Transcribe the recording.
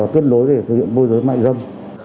tuyên đối để thực hiện mua dưới mại dâm